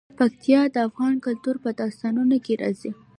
پکتیا د افغان کلتور په داستانونو کې راځي.